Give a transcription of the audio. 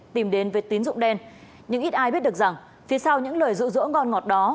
tìm đến về tính dụng đen nhưng ít ai biết được rằng phía sau những lời rụ rỗ ngon ngọt đó